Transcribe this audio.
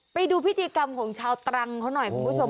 ไปดูพิธีกรรมของชาวตรังเขาหน่อยคุณผู้ชม